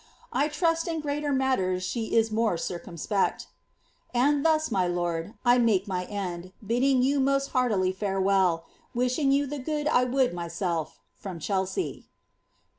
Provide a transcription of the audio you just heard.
I trust in greater matters is more circumspect ind thus, my lord, I make my end, bidding you most heartily farewell, ing you the good I would myself. — From Chelsea.